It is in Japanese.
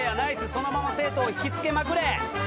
そのまま生徒を引きつけまくれ！